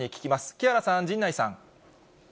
木原さん、陣内さん。